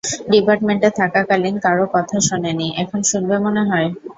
ডিপার্টমেন্টে থাকাকালীন কারও কথা শোনেনি, এখন শুনবে মনে হয়?